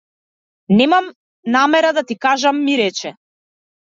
Немам намера да ти кажам ми рече.